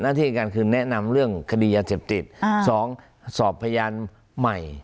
ที่การคือแนะนำเรื่องคดียาเสพติด๒สอบพยานใหม่